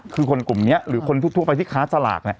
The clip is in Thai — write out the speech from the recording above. คือคนกลุ่มนี้หรือคนทั่วไปที่ค้าสลาก